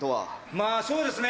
まぁそうですね。